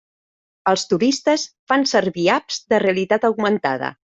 Els turistes fan servir apps de realitat augmentada.